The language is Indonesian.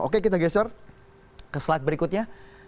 oke kita geser ke slide berikutnya